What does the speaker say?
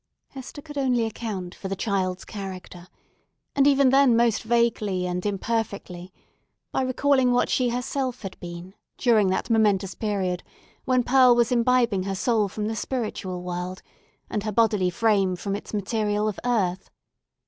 Hester could only account for the child's character—and even then most vaguely and imperfectly—by recalling what she herself had been during that momentous period while Pearl was imbibing her soul from the spiritual world, and her bodily frame from its material of earth.